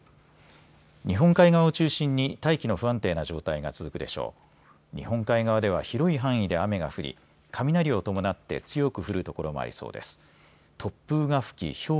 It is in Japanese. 日本海側を中心に大気の不安定な状態が続くでしょう。